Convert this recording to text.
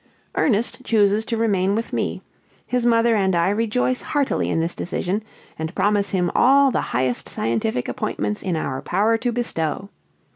"Ernest chooses to remain with me. His mother and I rejoice heartily in this decision, and promise him all the highest scientific appointments in our power to bestow.